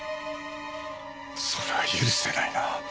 それは許せないな。